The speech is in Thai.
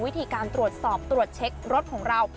วิธีการตรวจสอบตรวจเช็ครถของเรา